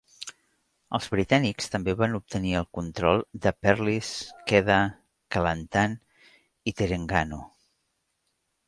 Els britànics també van obtenir el control de Perlis, Kedah, Kelantan i Terengganu.